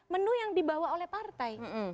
menu yang dibawa oleh partai